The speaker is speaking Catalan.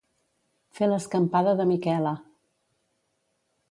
Fer l'escampada de Miquela.